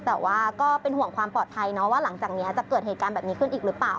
แต่ว่าก็เป็นห่วงความปลอดภัยเนาะว่าหลังจากนี้จะเกิดเหตุการณ์แบบนี้ขึ้นอีกหรือเปล่า